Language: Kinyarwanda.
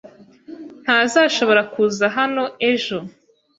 Ntazashobora kuza hano ejo.